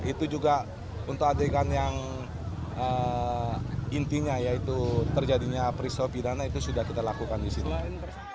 itu juga untuk adegan yang intinya yaitu terjadinya peristiwa pidana itu sudah kita lakukan di sini